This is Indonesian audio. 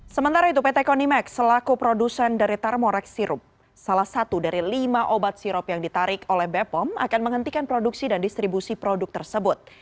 sementara itu pt konimax selaku produsen dari thermorex sirup salah satu dari lima obat sirup yang ditarik oleh bepom akan menghentikan produksi dan distribusi produk tersebut